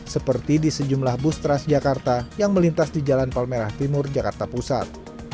seperti di sejumlah bus transjakarta yang melintas di jalan palmerah timur jakarta pusat